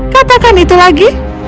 katakan itu lagi